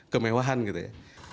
kemewahan gitu ya